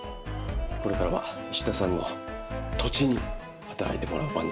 これからは石田さんの土地に働いてもらう番です。